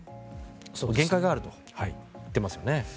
限界があるといっていますね。